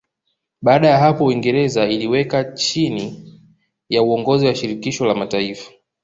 Baada ya hapo Uingereza uliiweka chini ya uongozi wa Shirikisho la Mataifa